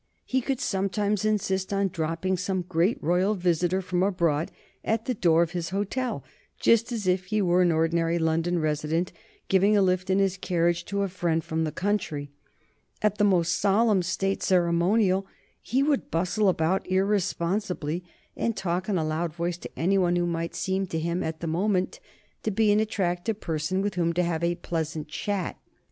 He would sometimes insist on dropping some great royal visitor from abroad at the door of his hotel, just as if he were an ordinary London resident giving a lift in his carriage to a friend from the country. At the most solemn State ceremonial he would bustle about irresponsibly, and talk in a loud voice to any one who might seem to him at the moment to be an attractive person with whom to have a pleasant chat.